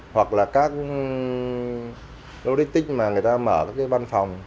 hoặc là các logistics mà người ta mở các cái văn phòng